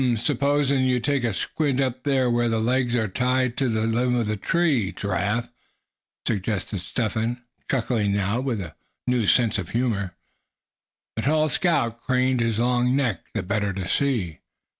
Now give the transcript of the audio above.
s'pose you take a squint up to where the legs are tied to the limb of that tree, Giraffe?" suggested Step Hen, chuckling now with a new sense of humor. The tall scout craned his long neck, the better to see.